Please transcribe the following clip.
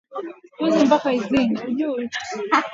weka kwenye beseni ili mafuta yashuke